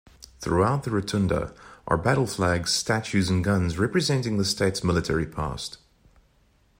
Throughout the rotunda are battle flags, statues, and guns representing the state's military past.